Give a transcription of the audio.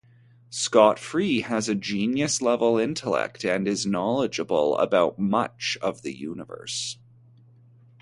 Scott Free has a genius-level intellect and is knowledgeable about much of the universe.